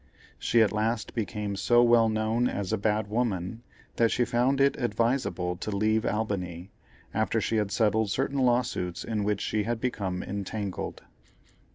She at last became so well known as a bad woman, that she found it advisable to leave Albany, after she had settled certain lawsuits in which she had become entangled.